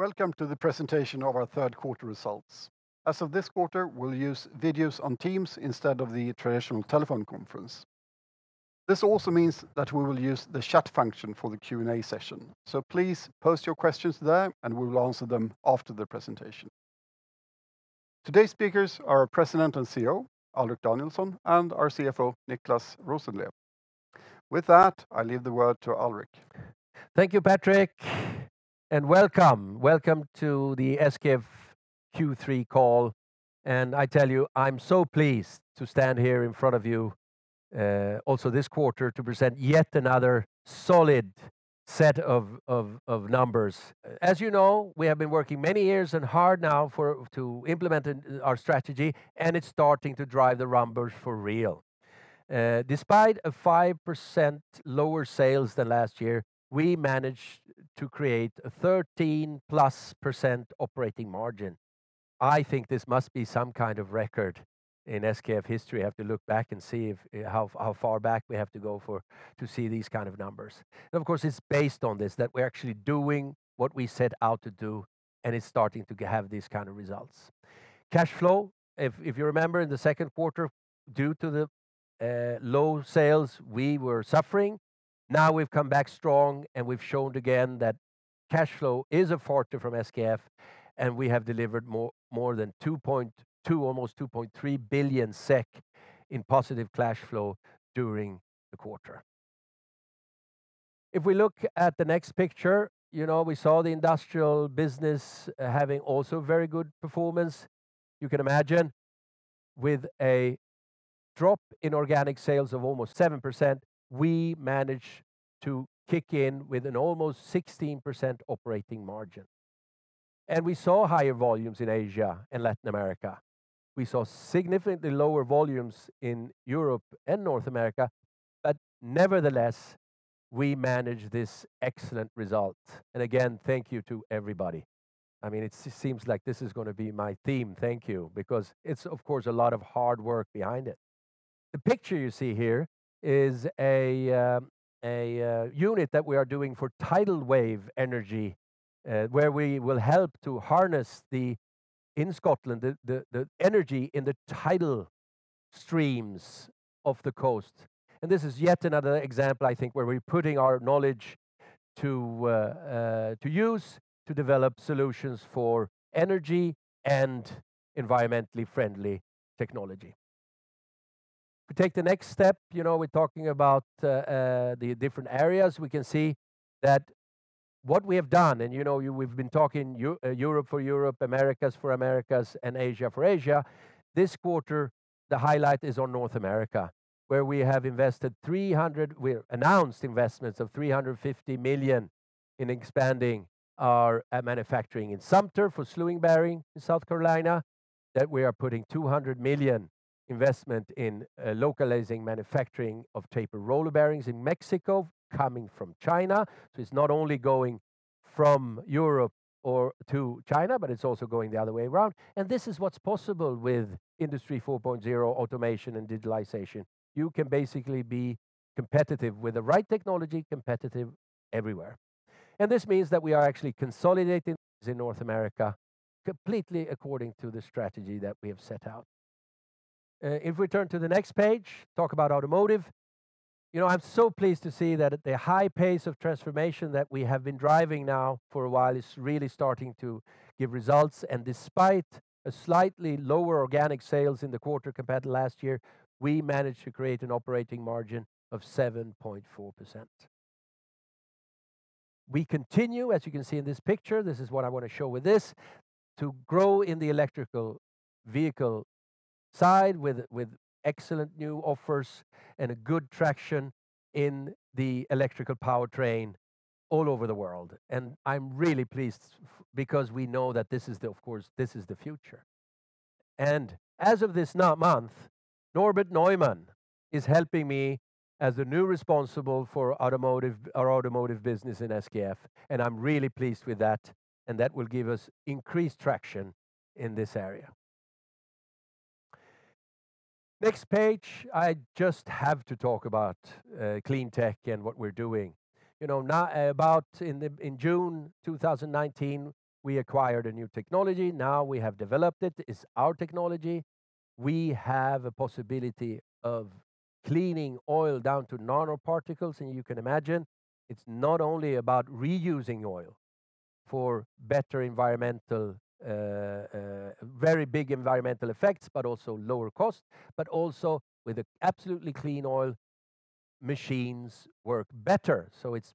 Welcome to the presentation of our third quarter results. As of this quarter, we'll use videos on Teams instead of the traditional telephone conference. This also means that we will use the chat function for the Q&A session. Please post your questions there and we will answer them after the presentation. Today's speakers are President and CEO, Alrik Danielson, and our CFO, Niclas Rosenlew. With that, I leave the word to Alrik. Thank you, Patrik. Welcome to the SKF Q3 call. I tell you, I'm so pleased to stand here in front of you, also this quarter, to present yet another solid set of numbers. As you know, we have been working many years and hard now to implement our strategy, and it's starting to drive the numbers for real. Despite a 5% lower sales than last year, we managed to create a 13+% operating margin. I think this must be some kind of record in SKF history. I have to look back and see how far back we have to go to see these kind of numbers. Of course, it's based on this, that we're actually doing what we set out to do, and it's starting to have these kind of results. Cash flow, if you remember in the second quarter, due to the low sales, we were suffering. Now we've come back strong, and we've shown again that cash flow is a forte from SKF, and we have delivered more than 2.2 billion, almost 2.3 billion SEK in positive cash flow during the quarter. If we look at the next picture, we saw the industrial business having also very good performance. You can imagine, with a drop in organic sales of almost 7%, we managed to kick in with an almost 16% operating margin. We saw higher volumes in Asia and Latin America. We saw significantly lower volumes in Europe and North America, but nevertheless, we managed this excellent result. Again, thank you to everybody. It seems like this is going to be my theme, thank you, because it's of course a lot of hard work behind it. The picture you see here is a unit that we are doing for tidal wave energy, where we will help to harness, in Scotland, the energy in the tidal streams of the coast. This is yet another example, I think, where we're putting our knowledge to use to develop solutions for energy and environmentally friendly technology. If we take the next step, we're talking about the different areas. We can see that what we have done, we've been talking Europe for Europe, Americas for Americas, and Asia for Asia. This quarter, the highlight is on North America, where we announced investments of 350 million in expanding our manufacturing in Sumter for slewing bearing in South Carolina, that we are putting 200 million investment in localizing manufacturing of Tapered Roller Bearings in Mexico, coming from China. It's not only going from Europe to China, but it's also going the other way around. This is what's possible with Industry 4.0 automation and digitalization. You can basically be competitive, with the right technology, competitive everywhere. This means that we are actually consolidating in North America completely according to the strategy that we have set out. If we turn to the next page, talk about automotive. I'm so pleased to see that the high pace of transformation that we have been driving now for a while is really starting to give results. Despite a slightly lower organic sales in the quarter compared to last year, we managed to create an operating margin of 7.4%. We continue, as you can see in this picture, this is what I want to show with this, to grow in the electrical vehicle side with excellent new offers and a good traction in the electrical powertrain all over the world. I'm really pleased because we know that this is the future. As of this month, Norbert Neumann is helping me as the new responsible for our automotive business in SKF, and I'm really pleased with that, and that will give us increased traction in this area. Next page, I just have to talk about clean tech and what we're doing. In June 2019, we acquired a new technology. Now we have developed it. It's our technology. We have a possibility of cleaning oil down to nanoparticles, and you can imagine it's not only about reusing oil for very big environmental effects, but also lower cost, but also with absolutely clean oil, machines work better. It's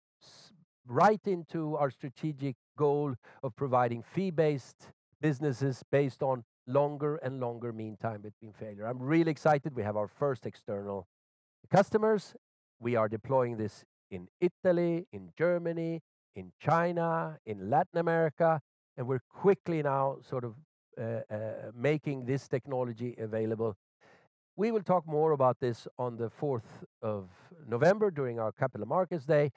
right into our strategic goal of providing fee-based businesses based on longer and longer mean time between failure. I'm really excited. We have our first external customers. We are deploying this in Italy, in Germany, in China, in Latin America, and we're quickly now making this technology available. We will talk more about this on the 4th of November during our Capital Markets Day.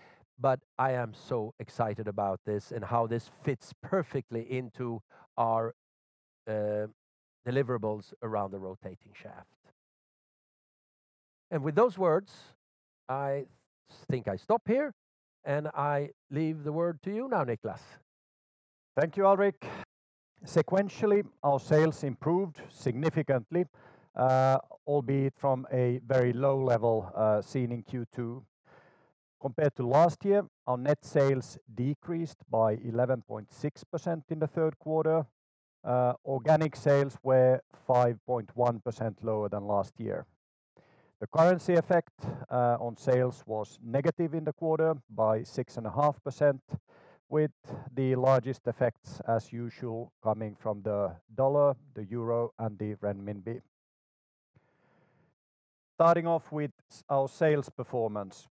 I am so excited about this and how this fits perfectly into our deliverables around the rotating shaft. With those words, I think I stop here, and I leave the word to you now, Niclas. Thank you, Alrik. Sequentially, our sales improved significantly, albeit from a very low level seen in Q2. Compared to last year, our net sales decreased by 11.6% in the third quarter. Organic sales were 5.1% lower than last year. The currency effect on sales was negative in the quarter by 6.5%, with the largest effects as usual coming from the dollar, the euro, and the renminbi. Starting off with our sales performance.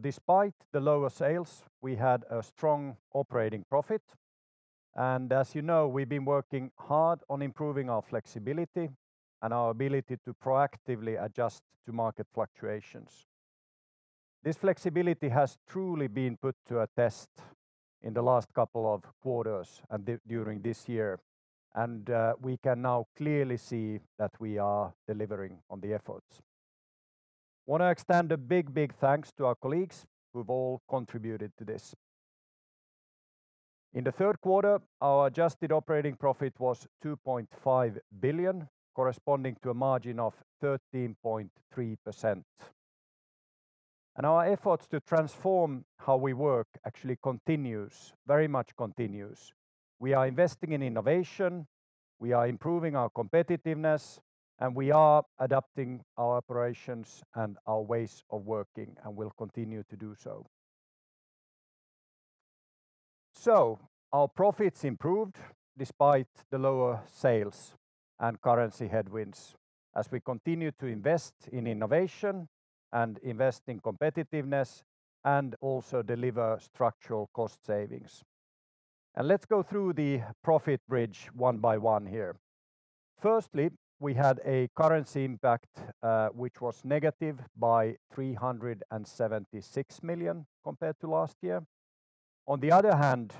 Despite the lower sales, we had a strong operating profit. As you know, we've been working hard on improving our flexibility and our ability to proactively adjust to market fluctuations. This flexibility has truly been put to a test in the last couple of quarters and during this year. We can now clearly see that we are delivering on the efforts. Want to extend a big, big thanks to our colleagues who've all contributed to this. In the third quarter, our adjusted operating profit was 2.5 billion, corresponding to a margin of 13.3%. Our efforts to transform how we work actually continues, very much continues. We are investing in innovation, we are improving our competitiveness, and we are adapting our operations and our ways of working and will continue to do so. Our profits improved despite the lower sales and currency headwinds as we continue to invest in innovation and invest in competitiveness and also deliver structural cost savings. Let's go through the profit bridge one by one here. Firstly, we had a currency impact, which was negative by 376 million compared to last year. On the other hand,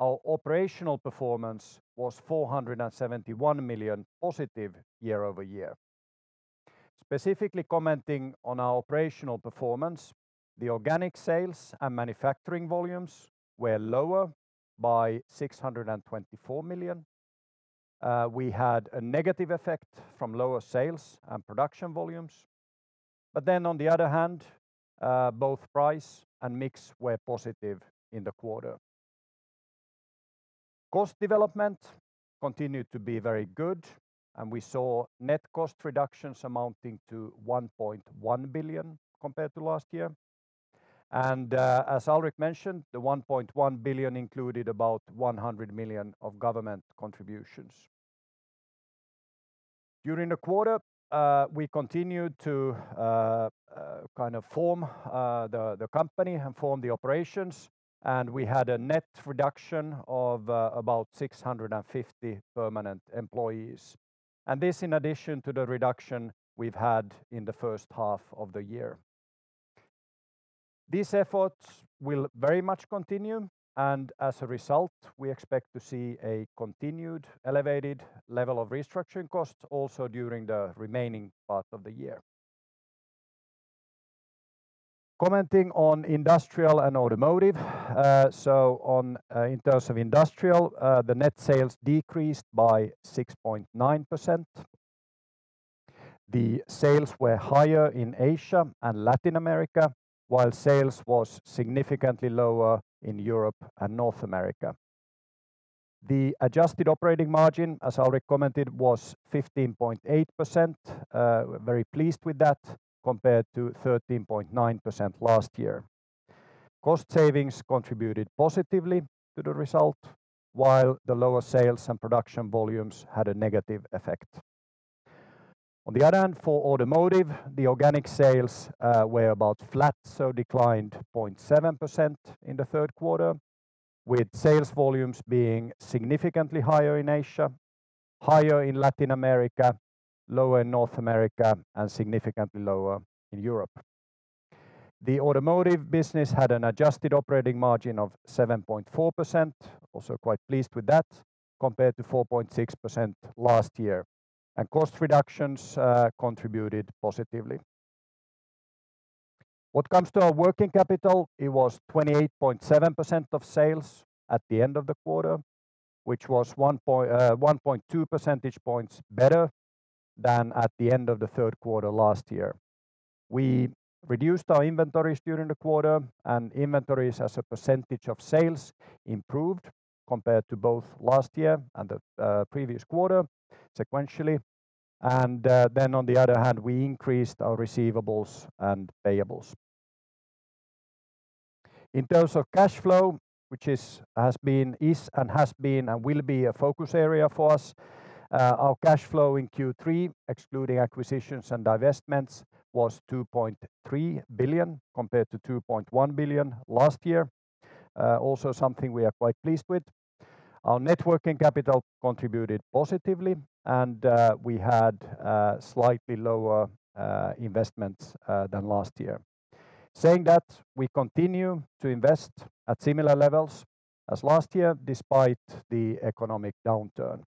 our operational performance was SEK 471 million+ year-over-year. Specifically commenting on our operational performance, the organic sales and manufacturing volumes were lower by 624 million. We had a negative effect from lower sales and production volumes. On the other hand, both price and mix were positive in the quarter. Cost development continued to be very good. We saw net cost reductions amounting to 1.1 billion compared to last year. As Alrik mentioned, the 1.1 billion included about 100 million of government contributions. During the quarter, we continued to form the company and form the operations. We had a net reduction of about 650 permanent employees. This in addition to the reduction we've had in the first half of the year. These efforts will very much continue. As a result, we expect to see a continued elevated level of restructuring costs also during the remaining part of the year. Commenting on Industrial and Automotive. In terms of Industrial, the net sales decreased by 6.9%. The sales were higher in Asia and Latin America, while sales was significantly lower in Europe and North America. The adjusted operating margin, as Alrik commented, was 15.8%. We're very pleased with that compared to 13.9% last year. Cost savings contributed positively to the result, while the lower sales and production volumes had a negative effect. On the other hand, for automotive, the organic sales were about flat, so declined 0.7% in the third quarter, with sales volumes being significantly higher in Asia, higher in Latin America, lower in North America, and significantly lower in Europe. The Automotive business had an adjusted operating margin of 7.4%, also quite pleased with that, compared to 4.6% last year. Cost reductions contributed positively. What comes to our working capital, it was 28.7% of sales at the end of the quarter, which was 1.2 percentage points better than at the end of the third quarter last year. We reduced our inventories during the quarter, and inventories as a percentage of sales improved compared to both last year and the previous quarter sequentially. On the other hand, we increased our receivables and payables. In terms of cash flow, which is and has been and will be a focus area for us, our cash flow in Q3, excluding acquisitions and divestments, was 2.3 billion compared to 2.1 billion last year. Also something we are quite pleased with. Our net working capital contributed positively, and we had slightly lower investments than last year. Saying that, we continue to invest at similar levels as last year despite the economic downturn.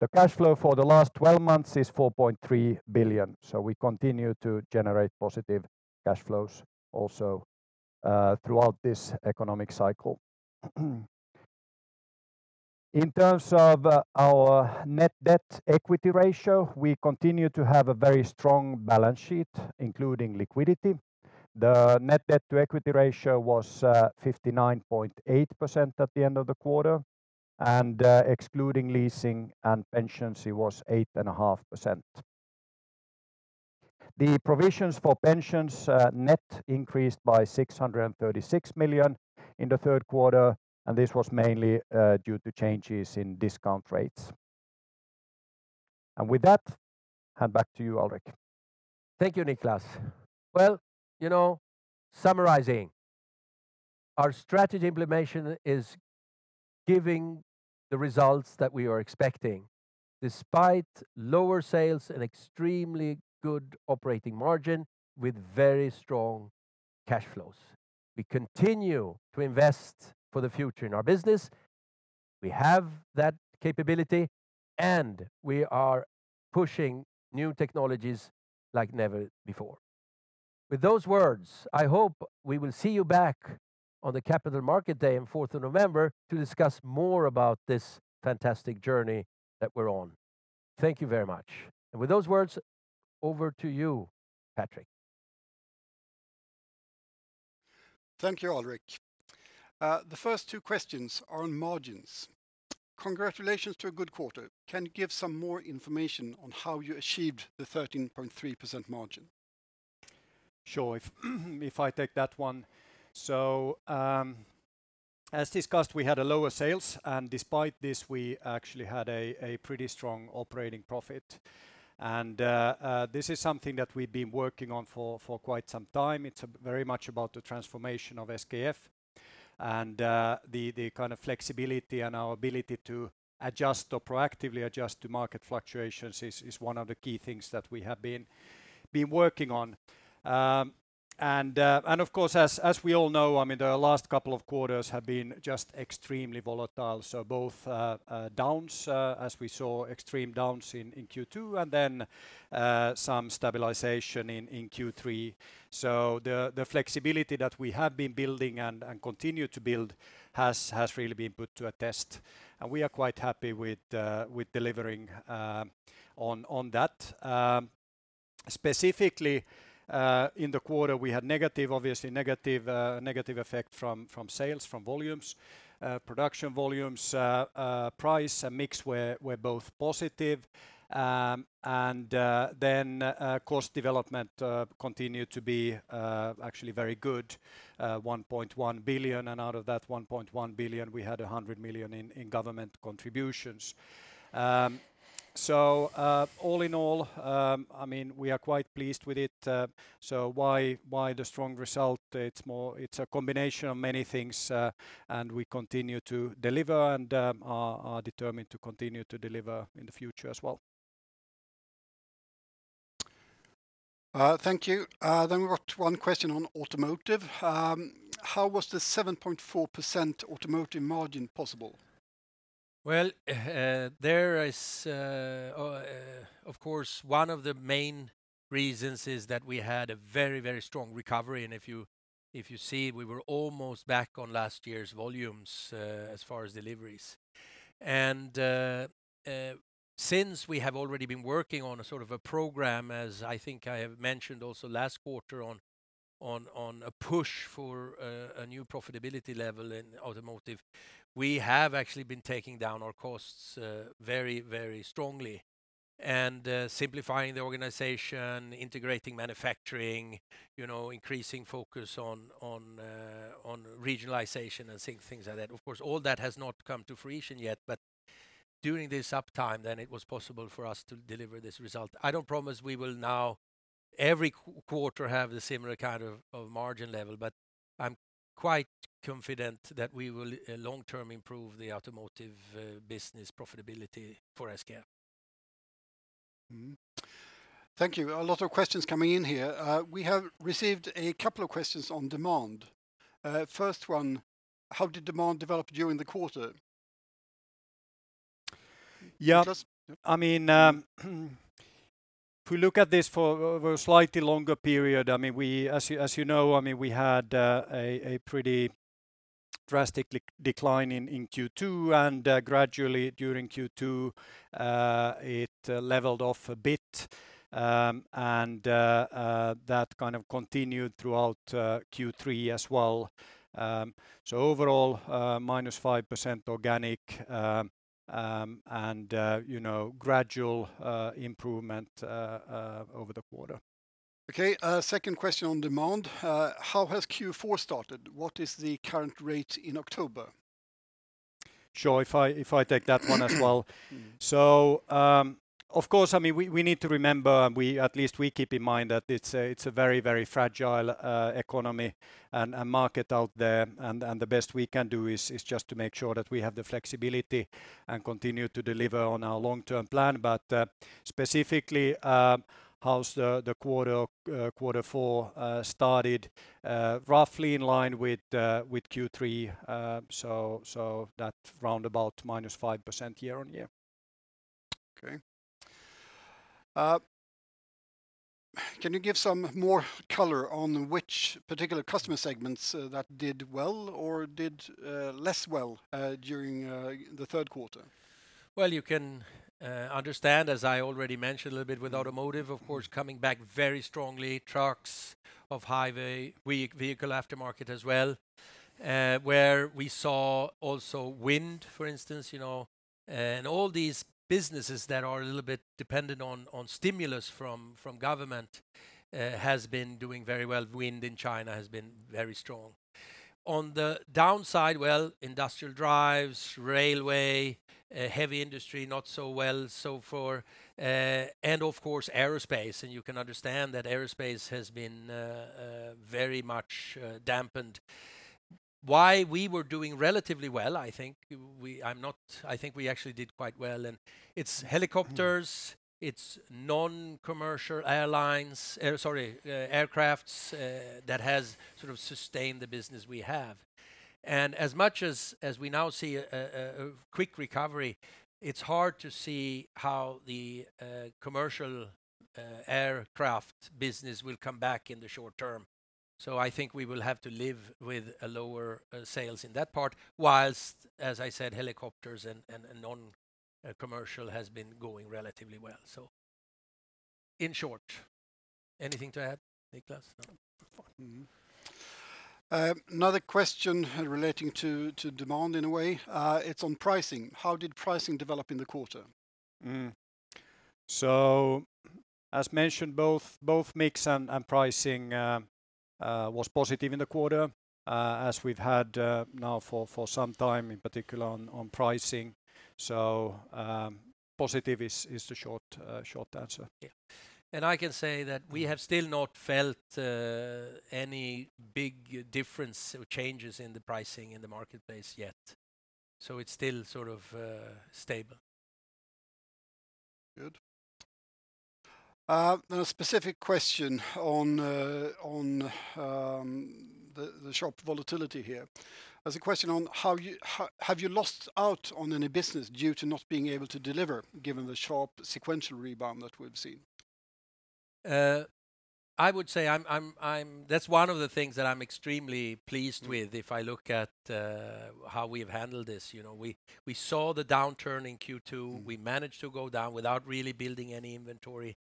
The cash flow for the last 12 months is 4.3 billion. We continue to generate positive cash flows also throughout this economic cycle. In terms of our net debt to equity ratio, we continue to have a very strong balance sheet, including liquidity. The net debt to equity ratio was 59.8% at the end of the quarter, and excluding leasing and pensions, it was 8.5%. The provisions for pensions net increased by 636 million in the third quarter, and this was mainly due to changes in discount rates. With that, hand back to you, Alrik. Thank you, Niclas. Well, summarizing, our strategy implementation is giving the results that we are expecting, despite lower sales and extremely good operating margin with very strong cash flows. We continue to invest for the future in our business. We have that capability, and we are pushing new technologies like never before. With those words, I hope we will see you back on the Capital Markets Day on the 4th of November to discuss more about this fantastic journey that we're on. Thank you very much. With those words, over to you, Patrik. Thank you, Alrik. The first two questions are on margins. Congratulations to a good quarter. Can you give some more information on how you achieved the 13.3% margin? Sure. If I take that one. As discussed, we had a lower sales, and despite this, we actually had a pretty strong operating profit. This is something that we've been working on for quite some time. It's very much about the transformation of SKF and the kind of flexibility and our ability to adjust or proactively adjust to market fluctuations is one of the key things that we have been working on. Of course, as we all know, the last couple of quarters have been just extremely volatile. Both downs, as we saw extreme downs in Q2, and then some stabilization in Q3. The flexibility that we have been building and continue to build has really been put to a test, and we are quite happy with delivering on that. Specifically in the quarter, we had obviously negative effect from sales, from volumes, production volumes, price, and mix were both positive. Cost development continued to be actually very good, 1.1 billion, and out of that 1.1 billion, we had 100 million in government contributions. All in all, we are quite pleased with it. Why the strong result? It's a combination of many things, and we continue to deliver and are determined to continue to deliver in the future as well. Thank you. We've got one question on automotive. How was the 7.4% automotive margin possible? Well, of course, one of the main reasons is that we had a very strong recovery. If you see, we were almost back on last year's volumes as far as deliveries. Since we have already been working on a sort of a program, as I think I have mentioned also last quarter on a push for a new profitability level in automotive, we have actually been taking down our costs very strongly and simplifying the organization, integrating manufacturing, increasing focus on regionalization and things like that. Of course, all that has not come to fruition yet, but during this uptime, then it was possible for us to deliver this result. I don't promise we will now every quarter have the similar kind of margin level, but I'm quite confident that we will long-term improve the automotive business profitability for SKF. Thank you. A lot of questions coming in here. We have received a couple of questions on demand. First one, how did demand develop during the quarter? Yeah. If we look at this for over a slightly longer period, as you know, we had a pretty drastic decline in Q2, and gradually during Q2 it leveled off a bit. That kind of continued throughout Q3 as well. Overall, -5% organic and gradual improvement over the quarter. Okay. Second question on demand. How has Q4 started? What is the current rate in October? Sure. If I take that one as well. Of course, we need to remember, at least we keep in mind that it's a very fragile economy and market out there, and the best we can do is just to make sure that we have the flexibility and continue to deliver on our long-term plan. Specifically how's the quarter four started, roughly in line with Q3. That round about -5% year-on-year. Okay. Can you give some more color on which particular customer segments that did well or did less well during the third quarter? Well, you can understand, as I already mentioned a little bit with automotive, of course, coming back very strongly. Trucks, off-highway, vehicle aftermarket as well, where we saw also wind, for instance. All these businesses that are a little bit dependent on stimulus from government has been doing very well. Wind in China has been very strong. On the downside, well, industrial drives, railway, heavy industry, not so well so far. Of course, aerospace, and you can understand that aerospace has been very much dampened. Why we were doing relatively well, I think we actually did quite well, and it's helicopters, it's non-commercial airlines, sorry, aircrafts, that has sort of sustained the business we have. As much as we now see a quick recovery, it's hard to see how the commercial aircraft business will come back in the short term. I think we will have to live with lower sales in that part, whilst, as I said, helicopters and non-commercial has been going relatively well. In short. Anything to add, Niclas? No? Another question relating to demand in a way. It's on pricing. How did pricing develop in the quarter? As mentioned, both mix and pricing was positive in the quarter, as we've had now for some time, in particular on pricing. Positive is the short answer. Yeah. I can say that we have still not felt any big difference or changes in the pricing in the marketplace yet. It's still sort of stable. Good. There's a specific question on the sharp volatility here. There's a question on have you lost out on any business due to not being able to deliver, given the sharp sequential rebound that we've seen? I would say that's one of the things that I'm extremely pleased with if I look at how we've handled this. We saw the downturn in Q2. We managed to go down without really building any inventory,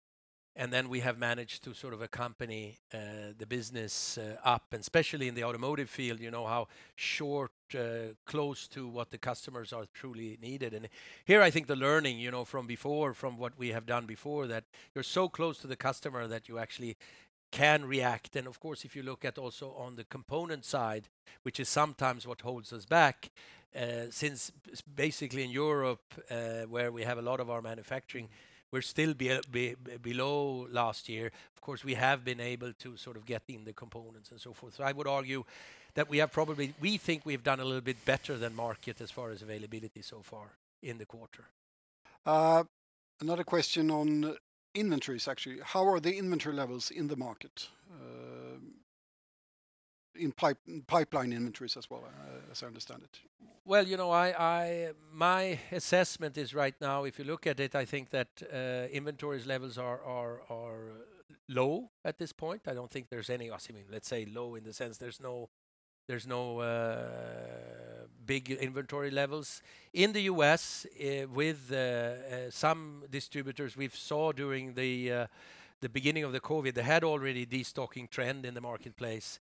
and then we have managed to sort of accompany the business up, and especially in the automotive field, you know how short, close to what the customers are truly needed. Here, I think the learning, from before, from what we have done before, that you're so close to the customer that you actually can react. Of course, if you look at also on the component side, which is sometimes what holds us back, since basically in Europe, where we have a lot of our manufacturing, we're still below last year. Of course, we have been able to sort of get in the components and so forth. I would argue that we think we've done a little bit better than market as far as availability so far in the quarter. Another question on inventories, actually. How are the inventory levels in the market? In pipeline inventories as well, as I understand it. My assessment is right now, if you look at it, I think that inventories levels are low at this point. I don't think there's any I mean, let's say low in the sense there's no big inventory levels. In the U.S., with some distributors we saw during the beginning of the COVID, they had already de-stocking trend in the marketplace.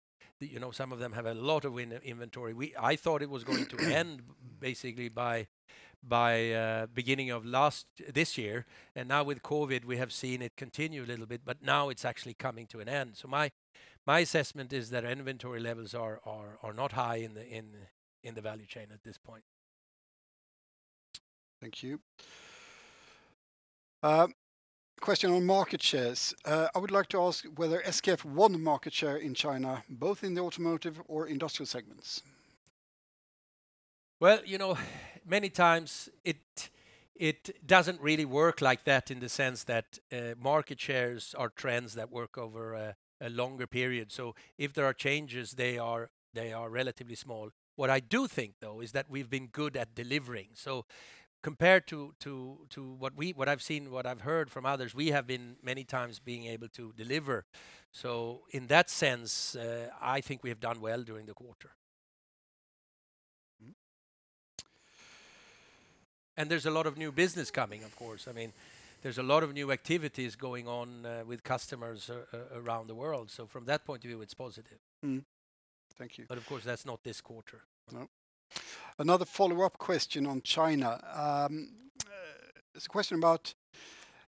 Some of them have a lot of inventory. I thought it was going to end basically by beginning of this year. Now with COVID, we have seen it continue a little bit, but now it's actually coming to an end. My assessment is that our inventory levels are not high in the value chain at this point. Thank you. A question on market shares. I would like to ask whether SKF won market share in China, both in the automotive or industrial segments? Well, many times it doesn't really work like that in the sense that market shares are trends that work over a longer period. If there are changes, they are relatively small. What I do think, though, is that we've been good at delivering. Compared to what I've seen, what I've heard from others, we have been many times being able to deliver. In that sense, I think we have done well during the quarter. There's a lot of new business coming, of course. There's a lot of new activities going on with customers around the world. From that point of view, it's positive. Thank you. Of course, that's not this quarter. Another follow-up question on China. It's a question about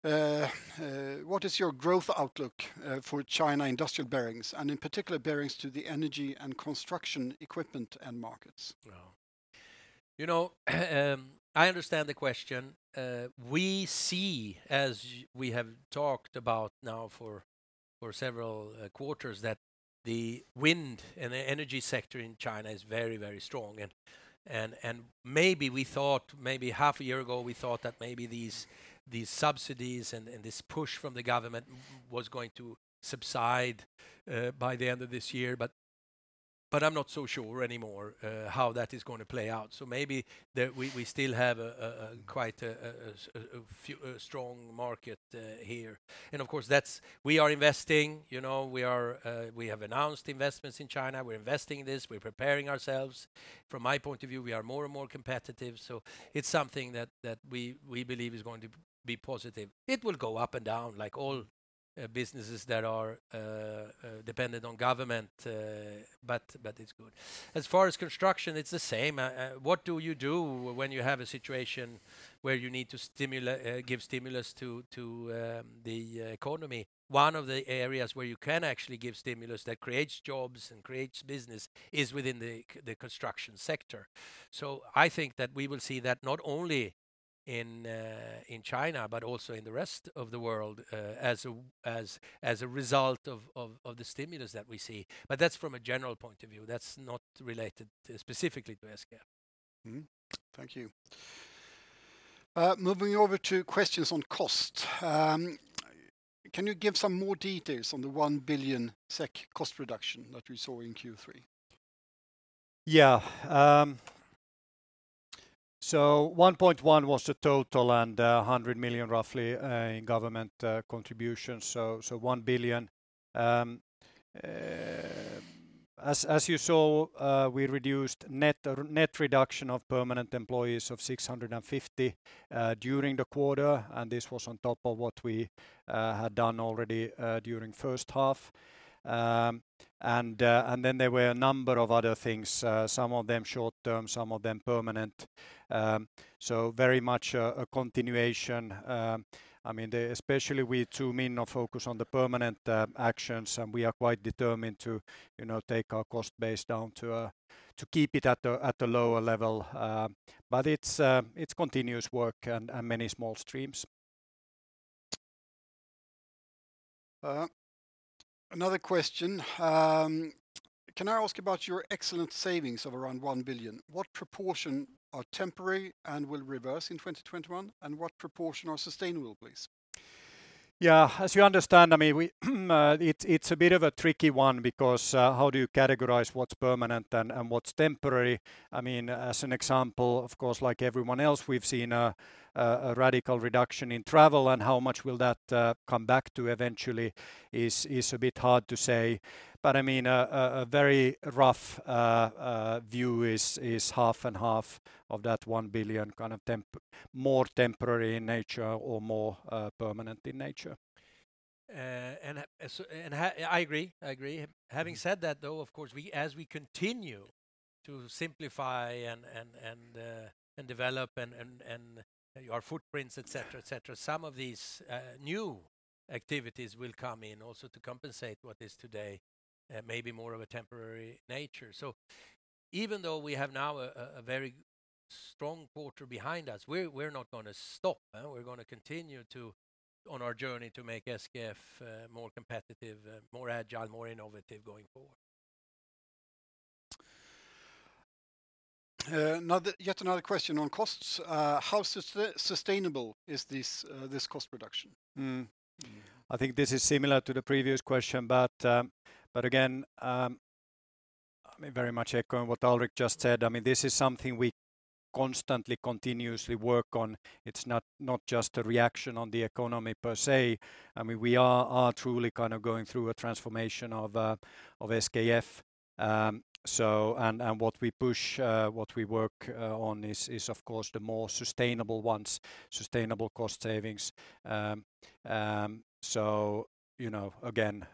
what is your growth outlook for China industrial bearings, and in particular, bearings to the energy and construction equipment end markets? Well. I understand the question. We see, as we have talked about now for several quarters, that the wind and the energy sector in China is very strong. Maybe half a year ago, we thought that maybe these subsidies and this push from the government was going to subside by the end of this year, I'm not so sure anymore how that is going to play out. Maybe we still have quite a strong market here. Of course, we are investing. We have announced investments in China. We're investing in this. We're preparing ourselves. From my point of view, we are more and more competitive, so it's something that we believe is going to be positive. It will go up and down like all businesses that are dependent on government, but it's good. As far as construction, it's the same. What do you do when you have a situation where you need to give stimulus to the economy? One of the areas where you can actually give stimulus that creates jobs and creates business is within the construction sector. I think that we will see that not only in China, but also in the rest of the world as a result of the stimulus that we see. That's from a general point of view, that's not related specifically to SKF. Thank you. Moving over to questions on cost. Can you give some more details on the 1 billion SEK cost reduction that we saw in Q3? Yeah. 1.1 billion was the total and 100 million roughly in government contribution, 1 billion. As you saw, we reduced net reduction of permanent employees of 650 during the quarter, and this was on top of what we had done already during first half. There were a number of other things, some of them short-term, some of them permanent. Very much a continuation. Especially with Tuominen focus on the permanent actions, and we are quite determined to take our cost base down to keep it at a lower level. It's continuous work and many small streams. Another question. Can I ask about your excellent savings of around 1 billion? What proportion are temporary and will reverse in 2021, and what proportion are sustainable, please? Yeah. As you understand, it's a bit of a tricky one because how do you categorize what's permanent and what's temporary? As an example, of course, like everyone else, we've seen a radical reduction in travel, and how much will that come back to eventually is a bit hard to say. A very rough view is 50/50 of that 1 billion more temporary in nature or more permanent in nature. I agree. Having said that, though, of course, as we continue to simplify and develop our footprints, et cetera. Some of these new activities will come in also to compensate what is today maybe more of a temporary nature. Even though we have now a very strong quarter behind us, we're not going to stop. We're going to continue on our journey to make SKF more competitive, more agile, more innovative going forward. Yet another question on costs. How sustainable is this cost reduction? I think this is similar to the previous question, but again, I very much echo on what Alrik just said. This is something we constantly, continuously work on. It's not just a reaction on the economy per se. We are truly going through a transformation of SKF. What we push, what we work on is, of course, the more sustainable ones, sustainable cost savings. Again,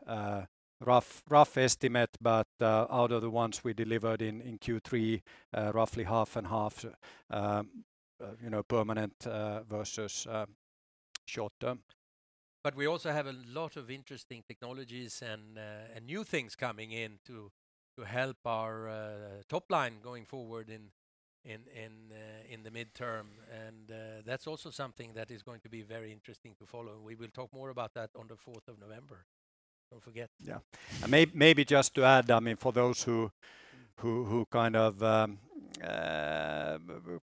rough estimate, but out of the ones we delivered in Q3, roughly 50/50 permanent versus short-term. We also have a lot of interesting technologies and new things coming in to help our top line going forward in the midterm. That's also something that is going to be very interesting to follow. We will talk more about that on the 4th of November. Don't forget. Yeah. Maybe just to add, for those who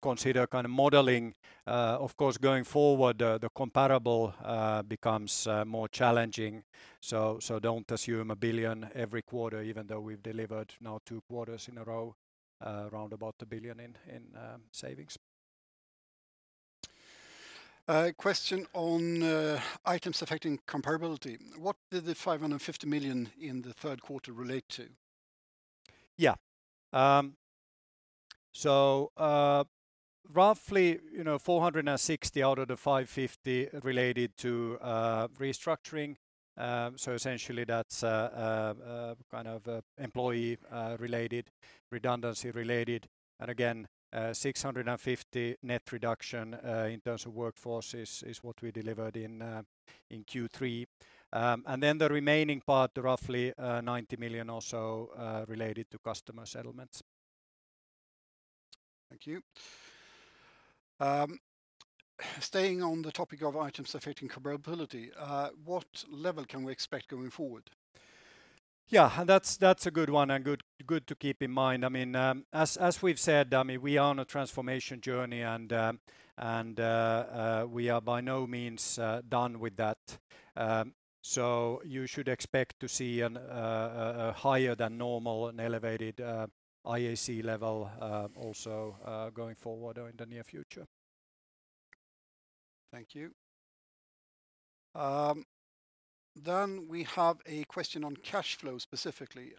consider modeling, of course, going forward, the comparable becomes more challenging. Don't assume 1 billion every quarter, even though we've delivered now two quarters in a row around about 1 billion in savings. A question on items affecting comparability. What did the 550 million in the third quarter relate to? Yeah. Roughly 460 out of the 550 related to restructuring. Essentially that's employee-related, redundancy-related. Again 650 net reduction in terms of workforce is what we delivered in Q3. The remaining part, roughly 90 million or so related to customer settlements. Thank you. Staying on the topic of items affecting comparability, what level can we expect going forward? Yeah, that's a good one and good to keep in mind. As we've said, we are on a transformation journey and we are by no means done with that. You should expect to see a higher than normal and elevated IAC level also going forward or in the near future. Thank you. We have a question on cash flow specifically,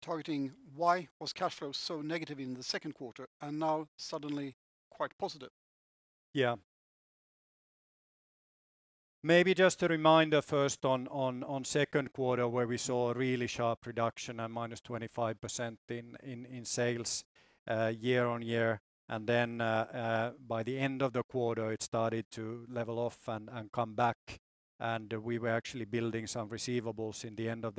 targeting why was cash flow so negative in the second quarter and now suddenly quite positive? Yeah. Maybe just a reminder first on second quarter, where we saw a really sharp reduction at -25% in sales year-over-year. By the end of the quarter, it started to level off and come back, and we were actually building some receivables in the end of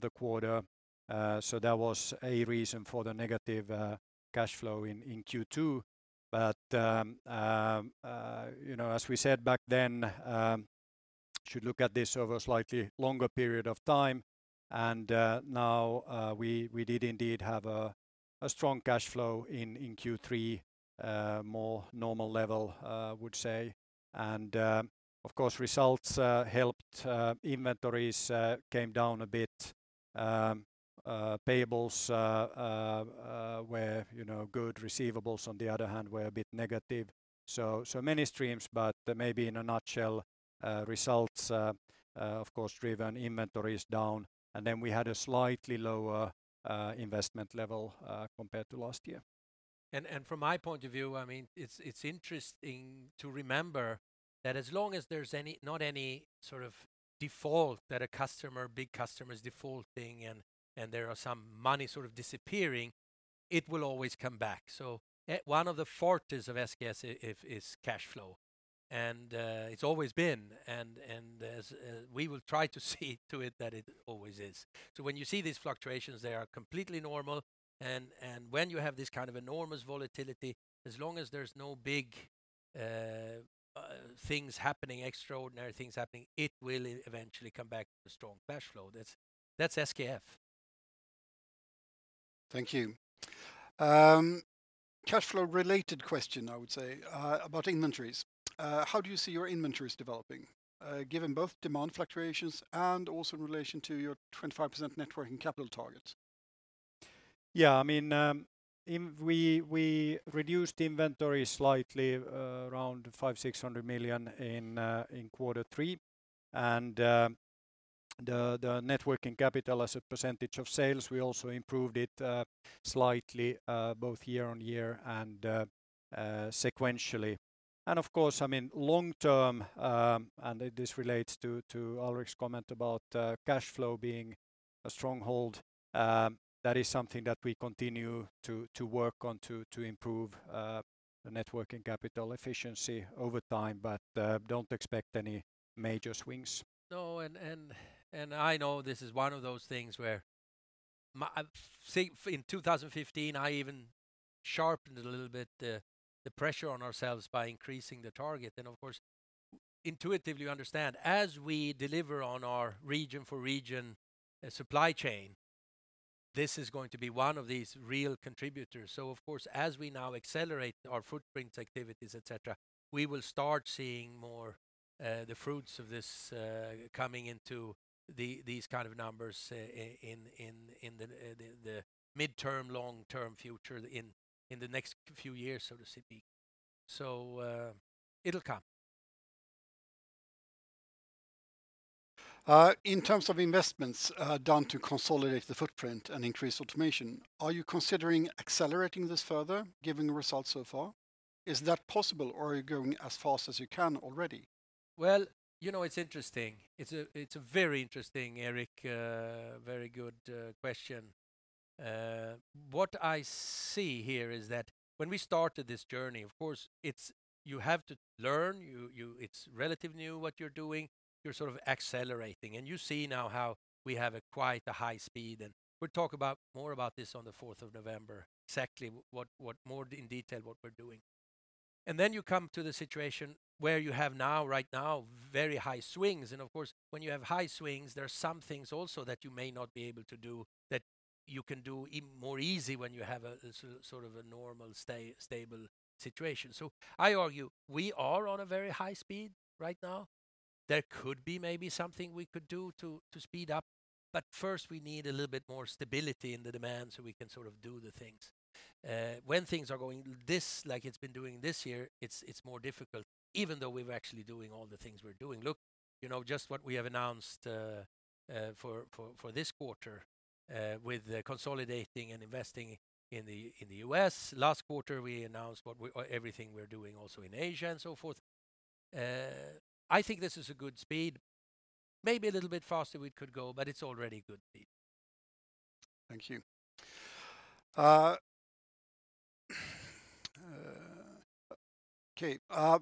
the quarter. That was a reason for the negative cash flow in Q2. As we said back then, we should look at this over a slightly longer period of time. Now we did indeed have a strong cash flow in Q3, more normal level I would say. Of course, results helped. Inventories came down a bit. Payables were good. Receivables, on the other hand, were a bit negative. Many streams, but maybe in a nutshell, results, of course, driven inventories down. We had a slightly lower investment level compared to last year. From my point of view, it's interesting to remember that as long as there's not any sort of default that a big customer is defaulting and there are some money sort of disappearing, it will always come back. One of the fortes of SKF is cash flow, and it's always been, and we will try to see to it that it always is. When you see these fluctuations, they are completely normal. When you have this kind of enormous volatility, as long as there's no big things happening, extraordinary things happening, it will eventually come back to a strong cash flow. That's SKF. Thank you. Cash flow related question, I would say, about inventories. How do you see your inventories developing, given both demand fluctuations and also in relation to your 25% net working capital targets? Yeah, we reduced the inventory slightly around 500 million-600 million in quarter three. The net working capital as a % of sales, we also improved it slightly both year-on-year and sequentially. Of course, long term, and this relates to Alrik's comment about cash flow being a stronghold, that is something that we continue to work on to improve the net working capital efficiency over time, but don't expect any major swings. No, I know this is one of those things where, say in 2015, I even sharpened it a little bit, the pressure on ourselves by increasing the target. Of course, intuitively understand, as we deliver on our region for region supply chain, this is going to be one of these real contributors. Of course, as we now accelerate our footprint activities, et cetera, we will start seeing more the fruits of this coming into these kind of numbers in the midterm, long-term future in the next few years, so to speak. It'll come. In terms of investments done to consolidate the footprint and increase automation, are you considering accelerating this further, given the results so far? Is that possible, or are you going as fast as you can already? Well, it's interesting. It's very interesting, Erik. Very good question. What I see here is that when we started this journey, of course, you have to learn. It's relatively new what you're doing. You're sort of accelerating, you see now how we have a quite a high speed, we'll talk more about this on the 4th of November, exactly more in detail what we're doing. Then you come to the situation where you have now, right now, very high swings. Of course, when you have high swings, there are some things also that you may not be able to do that you can do more easy when you have a sort of a normal, stable situation. I argue we are on a very high speed right now. There could be maybe something we could do to speed up, first, we need a little bit more stability in the demand so we can sort of do the things. When things are going this, like it's been doing this year, it's more difficult, even though we're actually doing all the things we're doing. Look, just what we have announced for this quarter with consolidating and investing in the U.S. Last quarter, we announced everything we're doing also in Asia and so forth. I think this is a good speed. Maybe a little bit faster we could go, it's already good speed. Thank you. Okay.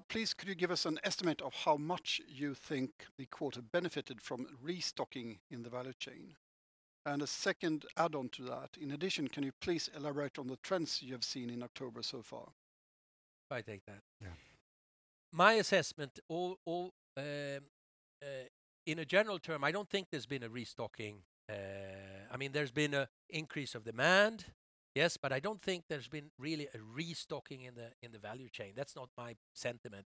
Please, could you give us an estimate of how much you think the quarter benefited from restocking in the value chain? A second add-on to that. In addition, can you please elaborate on the trends you have seen in October so far? I take that. Yeah. My assessment, in a general term, I don't think there's been a restocking. There's been an increase of demand, yes. I don't think there's been really a restocking in the value chain. That's not my sentiment.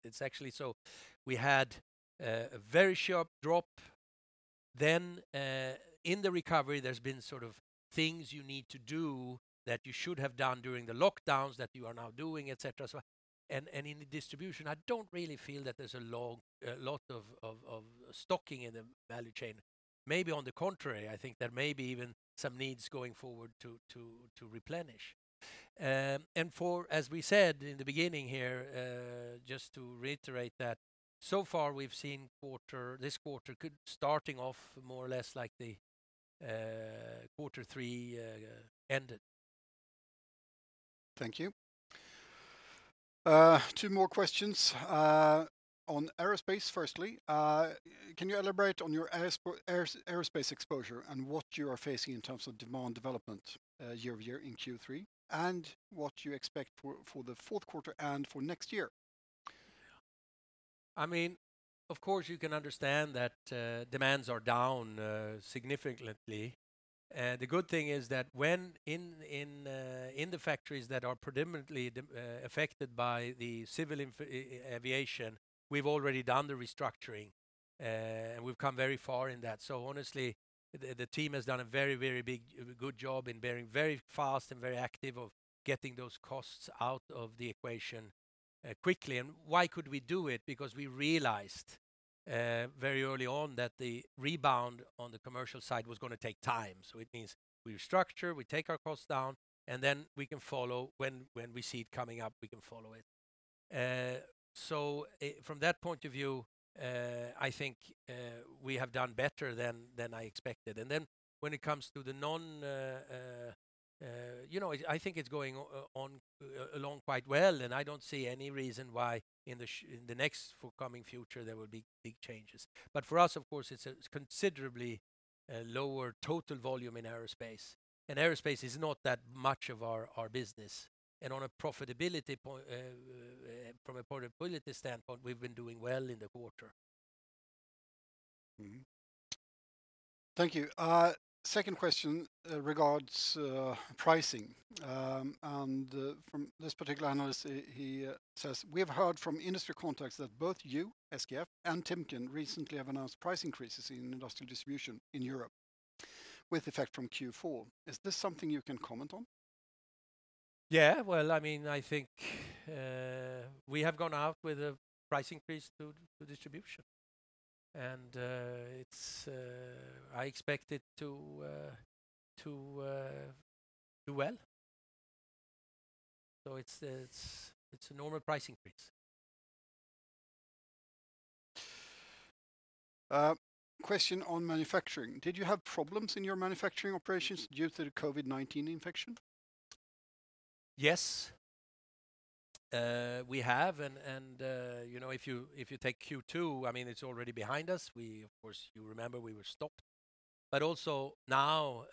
We had a very sharp drop. In the recovery, there's been things you need to do that you should have done during the lockdowns that you are now doing, et cetera. In the distribution, I don't really feel that there's a lot of stocking in the value chain. Maybe on the contrary, I think there may be even some needs going forward to replenish. As we said in the beginning here, just to reiterate that, so far we've seen this quarter could be starting off more or less like the quarter three ended. Thank you. Two more questions. On aerospace, firstly. Can you elaborate on your aerospace exposure and what you are facing in terms of demand development year-over-year in Q3, and what you expect for the fourth quarter and for next year? Of course, you can understand that demands are down significantly. The good thing is that in the factories that are predominantly affected by the civil aviation, we've already done the restructuring. We've come very far in that. Honestly, the team has done a very big, good job in being very fast and very active of getting those costs out of the equation quickly. Why could we do it? Because we realized very early on that the rebound on the commercial side was going to take time. It means we restructure, we take our costs down, and then when we see it coming up, we can follow it. From that point of view, I think we have done better than I expected. When it comes to the non, I think it's going along quite well, and I don't see any reason why in the next forthcoming future there will be big changes. For us, of course, it's considerably lower total volume in aerospace, and aerospace is not that much of our business. From a profitability standpoint, we've been doing well in the quarter. Thank you. Second question regards pricing. From this particular analyst, he says, "We have heard from industry contacts that both you, SKF, and Timken recently have announced price increases in industrial distribution in Europe with effect from Q4. Is this something you can comment on? Yeah. I think we have gone out with a price increase to distribution. I expect it to do well. It's a normal price increase. Question on manufacturing. Did you have problems in your manufacturing operations due to the COVID-19 infection? Yes. We have, if you take Q2, it's already behind us. Of course, you remember we were stopped. Also now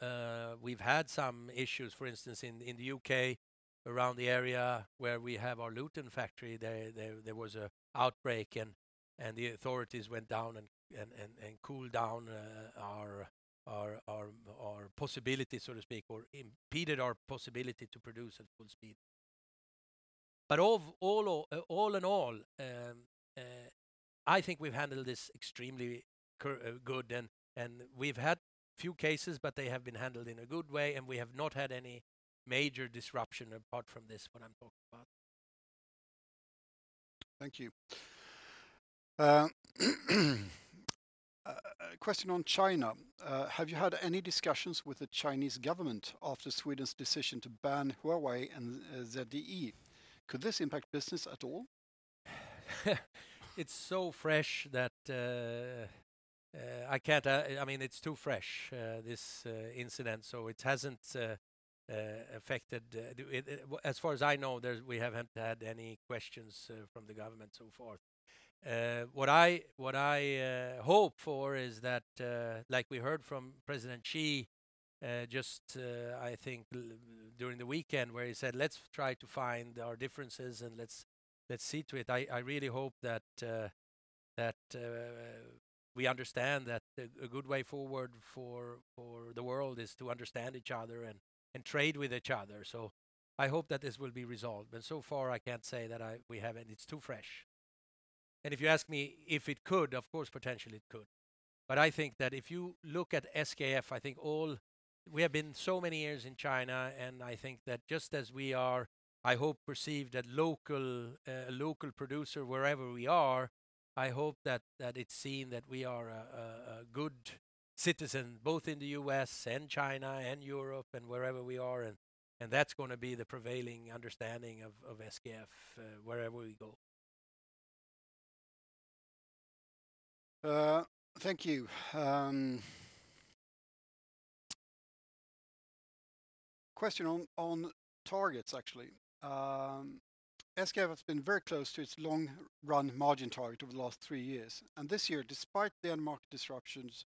we've had some issues, for instance, in the U.K., around the area where we have our Luton factory. There was an outbreak, and the authorities went down and cooled down our possibility, so to speak, or impeded our possibility to produce at full speed. All in all, I think we've handled this extremely good, and we've had a few cases, but they have been handled in a good way, and we have not had any major disruption apart from this, what I'm talking about. Thank you. A question on China. Have you had any discussions with the Chinese government after Sweden's decision to ban Huawei and ZTE? Could this impact business at all? It's so fresh that I can't. It's too fresh, this incident, so it hasn't affected. As far as I know, we haven't had any questions from the government so far. What I hope for is that, like we heard from President Xi, just, I think during the weekend, where he said, "Let's try to find our differences, and let's see to it." I really hope that we understand that a good way forward for the world is to understand each other and trade with each other. I hope that this will be resolved, but so far, I can't say that we have, and it's too fresh. If you ask me if it could, of course, potentially it could. I think that if you look at SKF, we have been so many years in China, and I think that just as we are, I hope, perceived a local producer wherever we are, I hope that it's seen that we are a good citizen, both in the U.S. and China and Europe and wherever we are, and that's going to be the prevailing understanding of SKF wherever we go. Thank you. Question on targets, actually. SKF has been very close to its long-run margin target over the last three years. This year, despite the unmarked disruptions,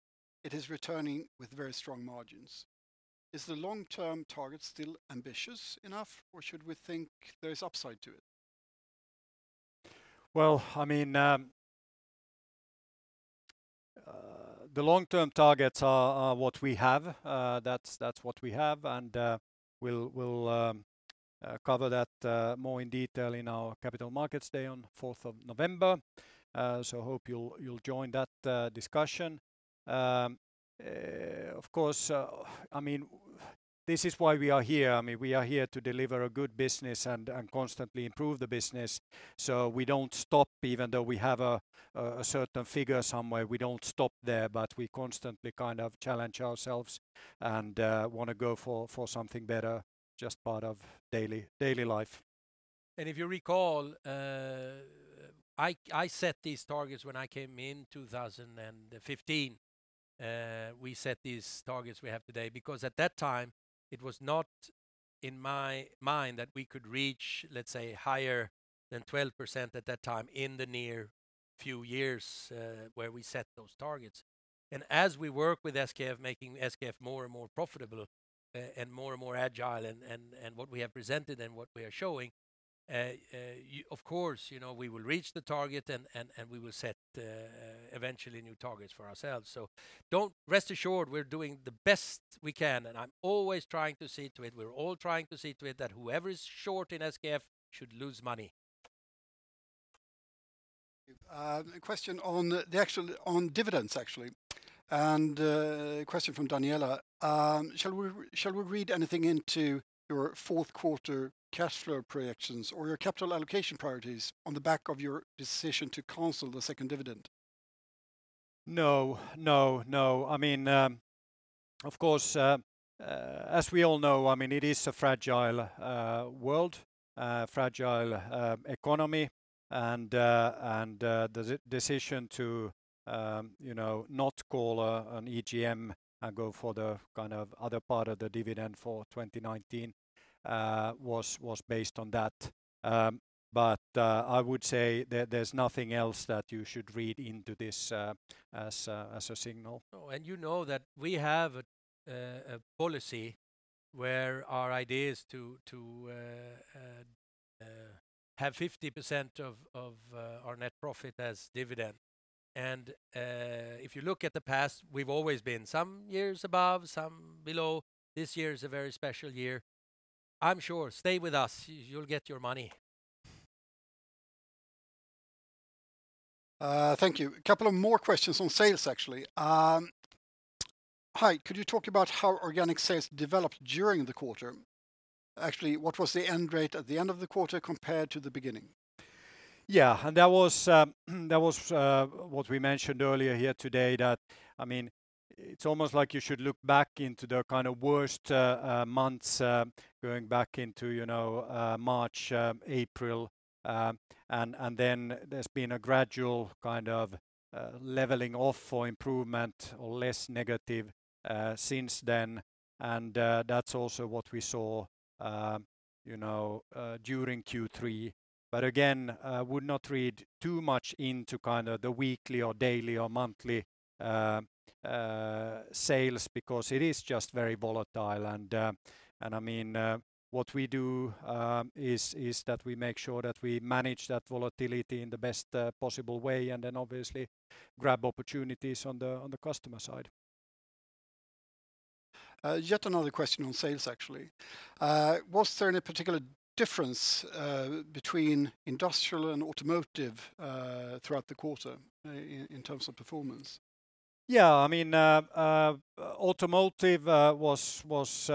it is returning with very strong margins. Is the long-term target still ambitious enough, or should we think there is upside to it? The long-term targets are what we have. That's what we have, and we'll cover that more in detail in our Capital Markets Day on the 4th of November. Hope you'll join that discussion. This is why we are here. We are here to deliver a good business and constantly improve the business. We don't stop even though we have a certain figure somewhere. We don't stop there, we constantly challenge ourselves and want to go for something better, just part of daily life. If you recall, I set these targets when I came in 2015. We set these targets we have today because at that time, it was not in my mind that we could reach, let's say, higher than 12% at that time in the near few years, where we set those targets. As we work with SKF, making SKF more and more profitable and more and more agile and what we have presented and what we are showing, of course, we will reach the target, and we will set eventually new targets for ourselves. Rest assured we're doing the best we can, and I'm always trying to see to it, we're all trying to see to it that whoever is short in SKF should lose money. A question on dividends, actually. A question from Daniela. Shall we read anything into your fourth quarter cash flow projections or your capital allocation priorities on the back of your decision to cancel the second dividend? No. Of course, as we all know, it is a fragile world, fragile economy. The decision to not call an EGM and go for the other part of the dividend for 2019 was based on that. I would say there's nothing else that you should read into this as a signal. You know that we have a policy where our idea is to have 50% of our net profit as dividend. If you look at the past, we've always been some years above, some below. This year is a very special year. I'm sure, stay with us, you'll get your money. Thank you. A couple of more questions on sales, actually. Hi, could you talk about how organic sales developed during the quarter? Actually, what was the end rate at the end of the quarter compared to the beginning? Yeah. That was what we mentioned earlier here today that it's almost like you should look back into the kind of worst months, going back into March, April, and then there's been a gradual leveling off or improvement or less negative since then. That's also what we saw during Q3. Again, would not read too much into the weekly or daily or monthly sales because it is just very volatile. What we do is that we make sure that we manage that volatility in the best possible way and then obviously grab opportunities on the customer side. Yet another question on sales, actually. Was there any particular difference between industrial and automotive throughout the quarter in terms of performance? Yeah. Automotive was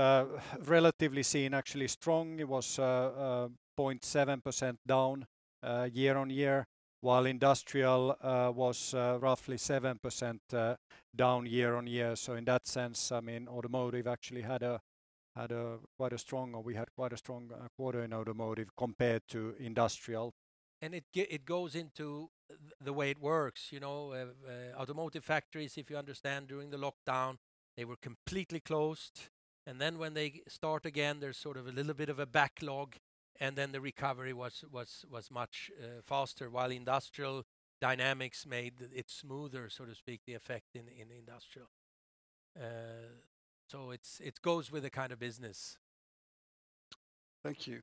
relatively seen actually strong. It was 0.7% down year-on-year, while industrial was roughly 7% down year-on-year. In that sense, we had quite a strong quarter in automotive compared to industrial. It goes into the way it works. Automotive factories, if you understand, during the lockdown, they were completely closed. Then when they start again, there's sort of a little bit of a backlog, and then the recovery was much faster while industrial dynamics made it smoother, so to speak, the effect in industrial. It goes with the kind of business. Thank you.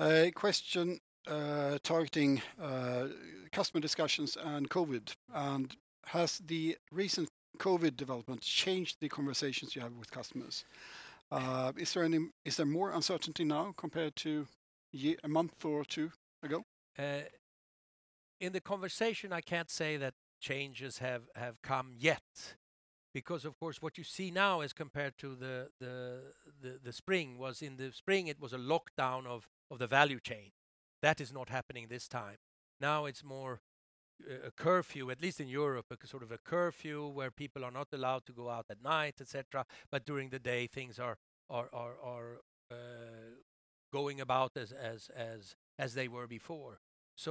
A question targeting customer discussions and COVID. Has the recent COVID developments changed the conversations you have with customers? Is there more uncertainty now compared to a month or two ago? In the conversation, I can't say that changes have come yet because, of course, what you see now as compared to the spring was in the spring, it was a lockdown of the value chain. That is not happening this time. Now it's more a curfew, at least in Europe, a sort of a curfew where people are not allowed to go out at night, et cetera. During the day, things are going about as they were before.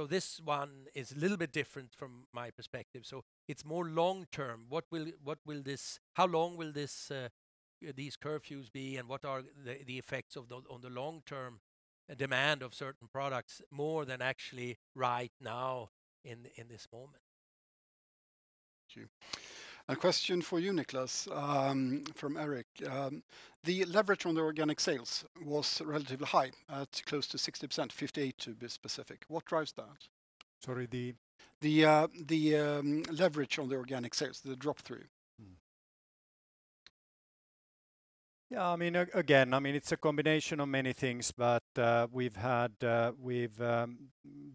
This one is a little bit different from my perspective. It's more long-term. How long will these curfews be, and what are the effects on the long-term demand of certain products more than actually right now in this moment? Thank you. A question for you, Niclas, from Erik. The leverage on the organic sales was relatively high at close to 60%, 58% to be specific. What drives that? Sorry, the? The leverage on the organic sales, the drop-through. Yeah. Again, it's a combination of many things, but we've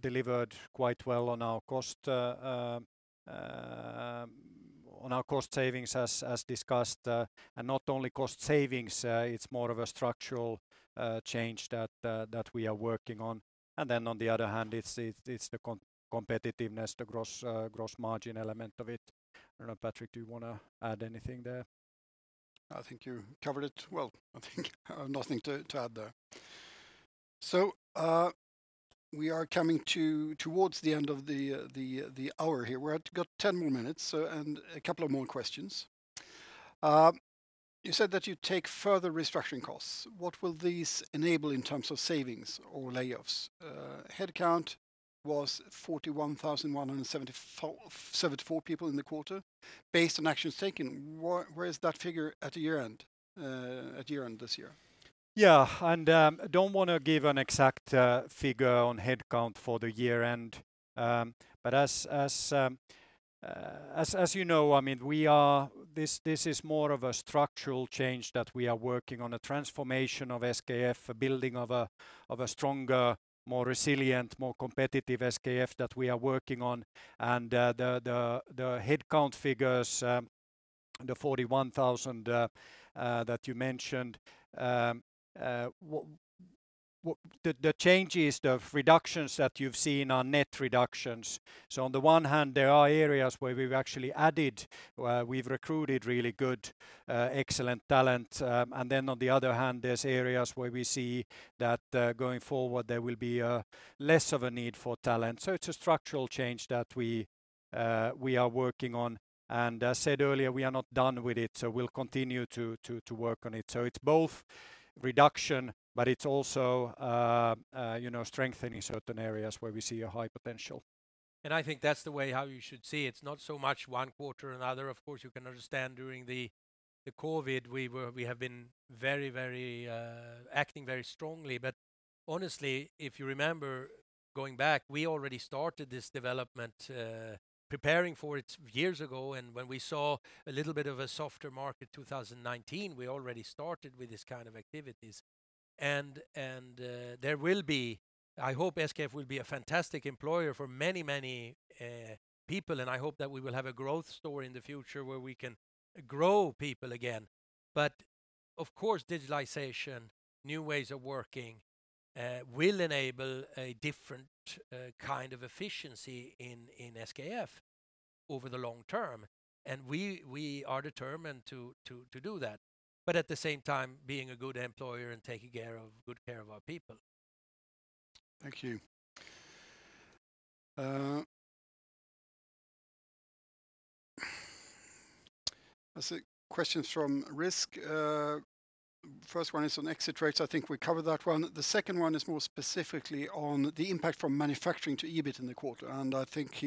delivered quite well on our cost savings, as discussed. Not only cost savings, it's more of a structural change that we are working on. On the other hand, it's the competitiveness, the gross margin element of it. I don't know, Patrik, do you want to add anything there? I think you covered it well. I think I have nothing to add there. We are coming towards the end of the hour here. We've got 10 more minutes and a couple of more questions. You said that you'd take further restructuring costs. What will these enable in terms of savings or layoffs? Headcount was 41,174 people in the quarter. Based on actions taken, where is that figure at year-end this year? Yeah. I don't want to give an exact figure on headcount for the year-end. As you know, this is more of a structural change that we are working on, a transformation of SKF, a building of a stronger, more resilient, more competitive SKF that we are working on. The headcount figures, the 41,000 that you mentioned, the changes, the reductions that you've seen are net reductions. On the one hand, there are areas where we've recruited really good, excellent talent. On the other hand, there is areas where we see that going forward, there will be less of a need for talent. It is a structural change that we are working on. As said earlier, we are not done with it, so we will continue to work on it. It is both reduction, but it is also strengthening certain areas where we see a high potential. I think that's the way how you should see it. It's not so much one quarter another. Of course, you can understand during the COVID, we have been acting very strongly. Honestly, if you remember going back, we already started this development, preparing for it years ago. When we saw a little bit of a softer market 2019, we already started with these kind of activities. I hope SKF will be a fantastic employer for many people, and I hope that we will have a growth story in the future where we can grow people again. Of course, digitalization, new ways of working will enable a different kind of efficiency in SKF over the long term. We are determined to do that. At the same time, being a good employer and taking good care of our people. Thank you. There's a question from Rizk. First one is on exit rates. I think we covered that one. The second one is more specifically on the impact from manufacturing to EBIT in the quarter. I think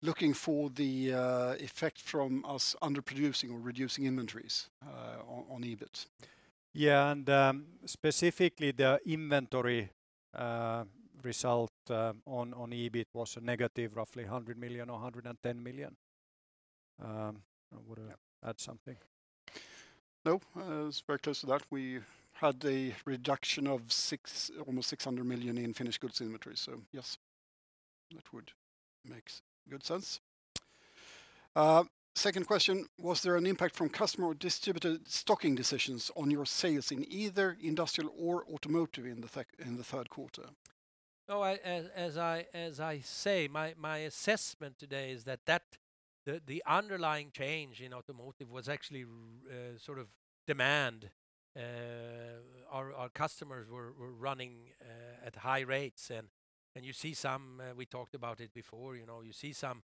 he's looking for the effect from us underproducing or reducing inventories on EBIT. Yeah, specifically, the inventory result on EBIT was a negative, roughly 100 million or 110 million. You want to add something? No. It's very close to that. We had a reduction of almost 600 million in finished goods inventory. Yes, that would make good sense. Second question: Was there an impact from customer or distributor stocking decisions on your sales in either industrial or automotive in the third quarter? No, as I say, my assessment today is that the underlying change in automotive was actually demand. Our customers were running at high rates. We talked about it before. You see some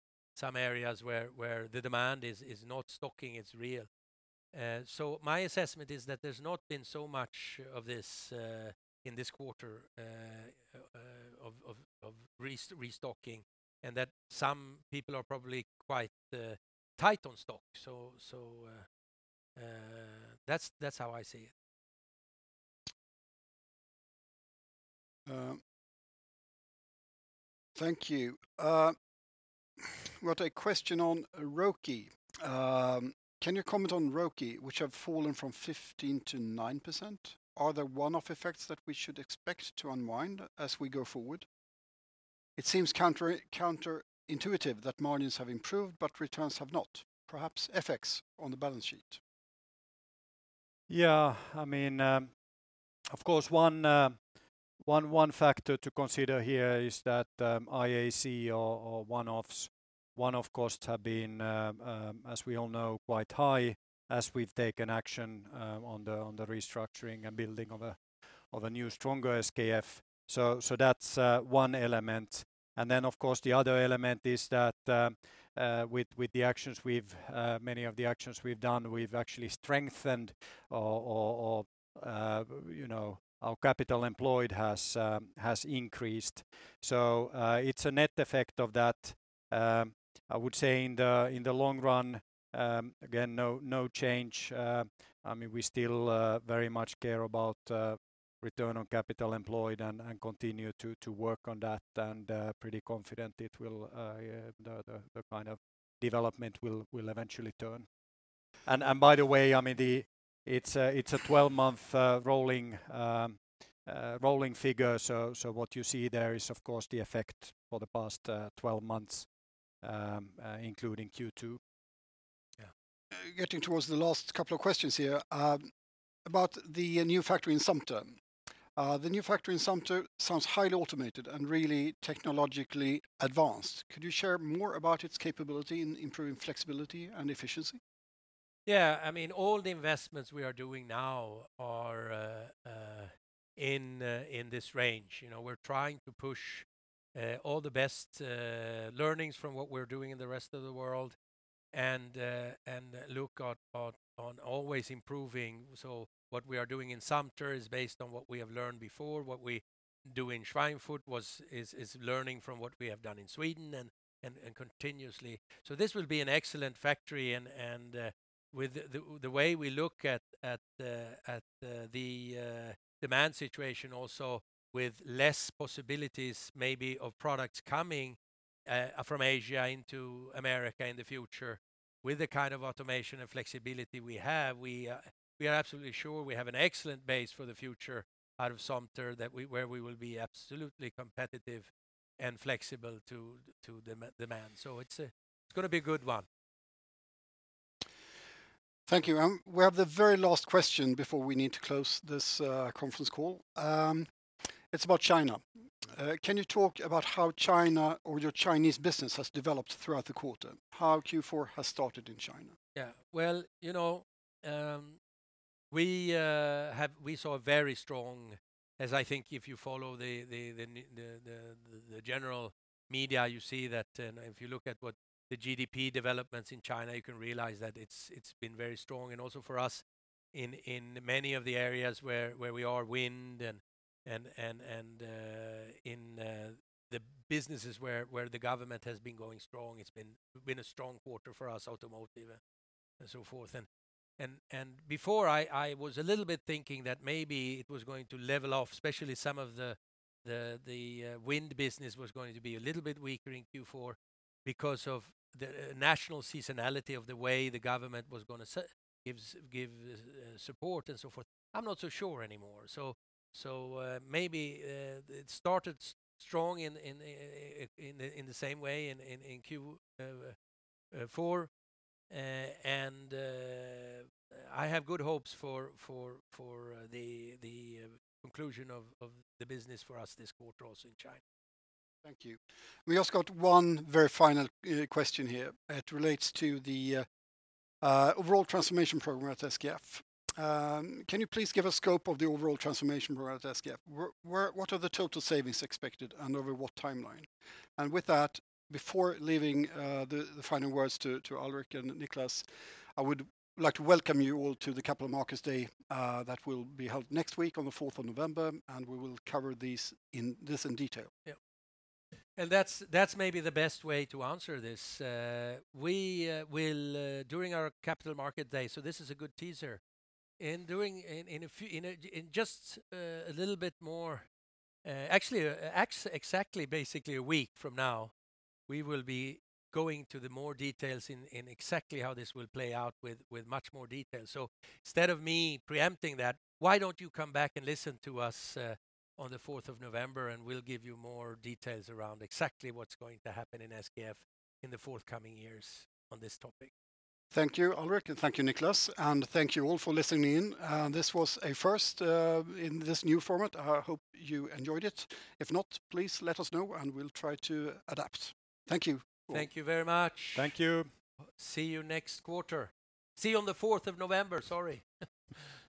areas where the demand is not stocking, it's real. My assessment is that there's not been so much of this in this quarter of restocking, and that some people are probably quite tight on stock. That's how I see it. Thank you. Got a question on ROCE. Can you comment on ROCE, which have fallen from 15%-9%? Are there one-off effects that we should expect to unwind as we go forward? It seems counterintuitive that margins have improved, but returns have not. Perhaps FX on the balance sheet? Yeah. Of course, one factor to consider here is that IAC or one-offs, of course, have been, as we all know, quite high as we've taken action on the restructuring and building of a new stronger SKF. That's one element. Of course, the other element is that with many of the actions we've done, we've actually strengthened our capital employed has increased. It's a net effect of that. I would say in the long run, again, no change. We still very much care about return on capital employed and continue to work on that and pretty confident the kind of development will eventually turn. By the way, it's a 12-month rolling figure. What you see there is, of course, the effect for the past 12 months, including Q2. Yeah. Getting towards the last couple of questions here about the new factory in Sumter. The new factory in Sumter sounds highly automated and really technologically advanced. Could you share more about its capability in improving flexibility and efficiency? Yeah. All the investments we are doing now are in this range. We're trying to push all the best learnings from what we're doing in the rest of the world and look on always improving. What we are doing in Sumter is based on what we have learned before, what we do in Schweinfurt is learning from what we have done in Sweden and continuously. This will be an excellent factory and with the way we look at the demand situation also with less possibilities maybe of products coming from Asia into America in the future, with the kind of automation and flexibility we have, we are absolutely sure we have an excellent base for the future out of Sumter, where we will be absolutely competitive and flexible to demand. It's going to be a good one. Thank you. We have the very last question before we need to close this conference call. It is about China. Can you talk about how China or your Chinese business has developed throughout the quarter? How Q4 has started in China? Yeah. We saw very strong, as I think if you follow the general media, you see that, and if you look at what the GDP developments in China, you can realize that it's been very strong. Also for us in many of the areas where we are, wind and in the businesses where the government has been going strong, it's been a strong quarter for us, automotive and so forth. Before I was a little bit thinking that maybe it was going to level off, especially some of the wind business was going to be a little bit weaker in Q4 because of the national seasonality of the way the government was going to give support and so forth. I'm not so sure anymore. Maybe it started strong in the same way in Q4, and I have good hopes for the conclusion of the business for us this quarter also in China. Thank you. We also got one very final question here. It relates to the overall transformation program at SKF. Can you please give a scope of the overall transformation program at SKF? What are the total savings expected and over what timeline? With that, before leaving the final words to Alrik and Niclas, I would like to welcome you all to the Capital Markets Day that will be held next week on the 4th of November, we will cover this in detail. Yep. That's maybe the best way to answer this. During our Capital Markets Day, this is a good teaser. In just a little bit more, actually exactly a week from now, we will be going to the more details in exactly how this will play out with much more detail. Instead of me preempting that, why don't you come back and listen to us on the 4th of November, and we'll give you more details around exactly what's going to happen in SKF in the forthcoming years on this topic. Thank you, Alrik, and thank you, Niclas, and thank you all for listening in. This was a first in this new format. I hope you enjoyed it. If not, please let us know and we will try to adapt. Thank you all. Thank you very much. Thank you. See you next quarter. See you on the 4th of November, sorry.